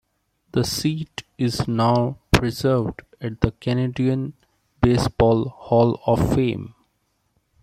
The seat is now preserved at the Canadian Baseball Hall of Fame.